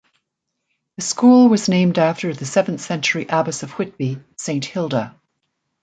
The School was named after the seventh century Abbess of Whitby Saint Hilda.